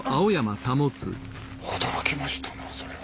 驚きましたなそれは。